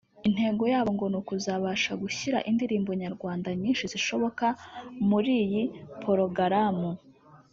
Intego yabo ngo ni ukuzabasha gushyira indirimbo nyarwanda nyinshi zishoboka muri iyi porogaramu